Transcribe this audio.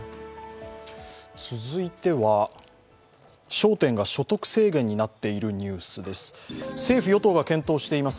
続いては、焦点が所得制限になっているニュースです。